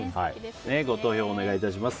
ご投票お願いいたします。